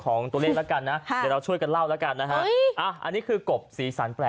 ก็แบ่งเงินไปซิก็หาลือยังไป